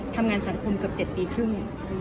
ทำงานสังคมเกือบ๗ปีครึ่ง